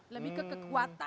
lebih ke kekuatan